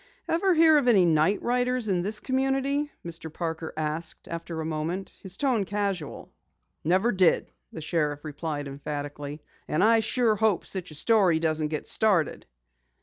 "Ever hear of any night riders in this community?" Mr. Parker asked after a moment, his tone casual. "Never did," the sheriff replied emphatically. "And I sure hope such a story doesn't get started."